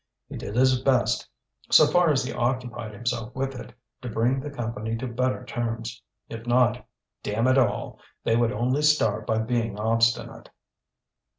He did his best, so far as he occupied himself with it, to bring the Company to better terms; if not, damn it all! they would only starve by being obstinate.